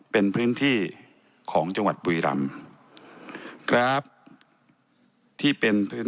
เป็นพื้นที่ของจังหวัดบุรีรัม